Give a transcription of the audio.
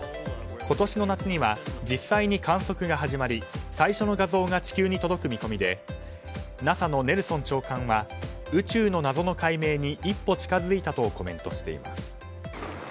今年の夏には実際に観測が始まり最初の画像が地球に届く見込みでＮＡＳＡのネルソン長官は宇宙の謎の解明に一歩近づいたとコメントしています。